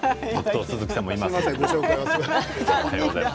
鈴木さんもいます。